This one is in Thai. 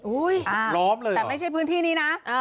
อุ๊ยล้อมเลยหรือแต่ไม่ใช่พื้นที่นี้นะ